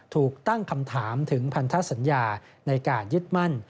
ถูกตั้งคำถามถึงพันธสัญญาในการยึดมั่น